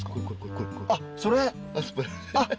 あっそれ？